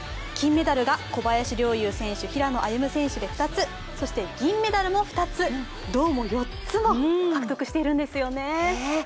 金メダルが小林陵侑選手、平野歩夢選手で２つ、そして銀メダルも２つ、銅も４つも獲得しているんですよね